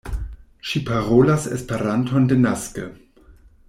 Ŝi parolas Esperanton denaske.